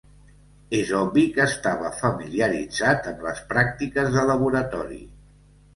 És obvi que estava familiaritzat amb les pràctiques de laboratori.